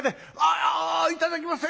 ああいただきます。